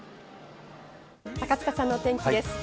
高塚さんのお天気です。